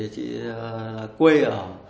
chị quê ở